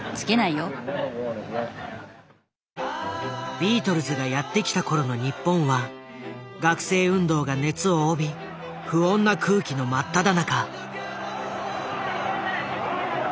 ビートルズがやってきた頃の日本は学生運動が熱を帯び不穏な空気のまっただ中。